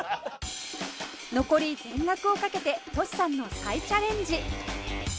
残り全額を賭けてトシさんの再チャレンジ